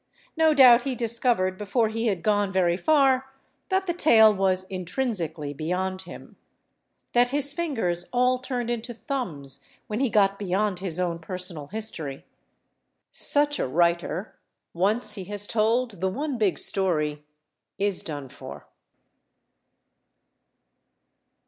No doubt he discovered, before he had gone very far, that the tale was intrinsically beyond him—that his fingers all turned into thumbs when he got beyond his own personal history. Such a writer, once he has told the one big story, is done for.